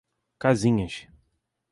Casinhas